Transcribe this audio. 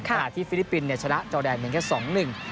แต่ที่ฟิลิปปินส์ชนะจอแดนเหมือนแค่๒๑